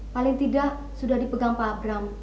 paling tidak sudah dipegang pak abraham